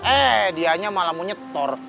eh dianya malah mau nyetor